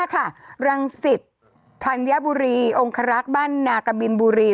รังสิตธัญบุรีองครักษ์บ้านนากบินบุรี